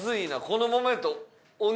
このままやと。